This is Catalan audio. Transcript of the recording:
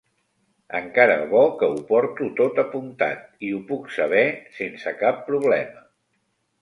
Encara bo que ho porto tot apuntat i ho puc saber sense cap problema.